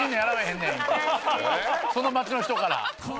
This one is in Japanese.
その街の人から。